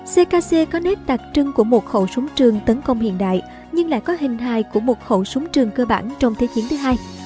ckc có nét đặc trưng của một khẩu súng trường tấn công hiện đại nhưng lại có hình hài của một khẩu súng trường cơ bản trong thế chiến thứ hai